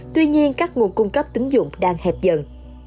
tuy nhiên các nguồn cung cấp tính dụng đang hẹp dần